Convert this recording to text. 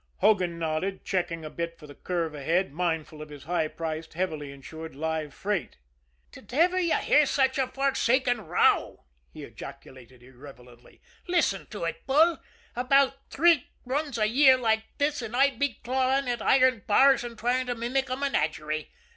Hogan nodded, checking a bit for the curve ahead, mindful of his high priced, heavily insured live freight. "Did ever you hear such a forsaken row!" he ejaculated irrelevantly. "Listen to it, Bull. About three runs a year like this and I'd be clawing at iron bars and trying to mimic a menagerie.